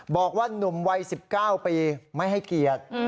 บอกว่านุ่มวัย๑๙ปีไม่ให้เกียรติ